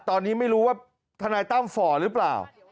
ตอนนี้ไม่รู้ว่าทนายตั้มฝ่อหรือเปล่า